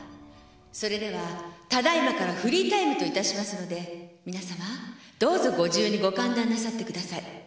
「それではただいまからフリータイムといたしますので皆様どうぞご自由にご歓談なさってください」